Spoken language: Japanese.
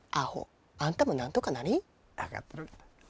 分かってるがな。